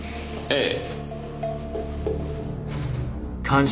ええ。